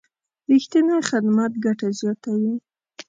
رښتینی خدمت ګټه زیاتوي.